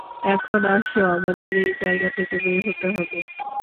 এখন আসো, আমাদের এ জায়গা থেকে বের হতে হবে।